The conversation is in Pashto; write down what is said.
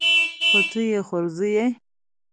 خو ته يې خورزه يې.